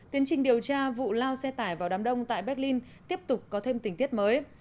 tiến trình điều tra vụ lao xe tải vào đám đông tại berlin tiếp tục có thêm tình tiết mới